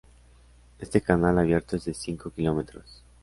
Este canal abierto es de cinco kilómetros.